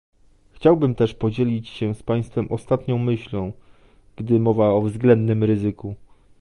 Chciałbym też podzielić się z państwem ostatnią myślą, gdy mowa o względnym ryzyku